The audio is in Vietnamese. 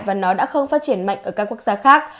và nó đã không phát triển mạnh ở các quốc gia khác